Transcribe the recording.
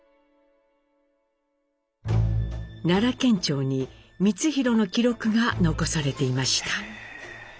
奈良県庁に光宏の記録が残されていました。